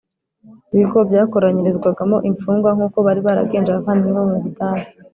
bigo byakoranyirizwagamo imfungwa nk uko bari baragenje abavandimwe bo mu Budage